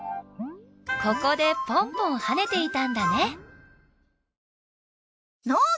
ここでポンポンはねていたんだね